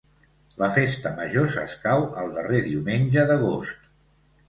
La festa major s'escau el darrer diumenge d'agost.